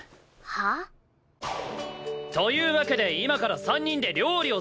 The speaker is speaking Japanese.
はあ？というわけで今から３人で料理をするぞ！